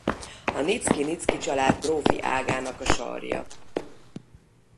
A nicki Niczky család grófi ágának a sarja.